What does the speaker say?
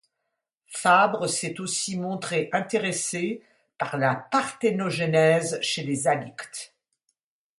Fabre s'est aussi montré intéressé par la parthénogenèse chez les Halictes.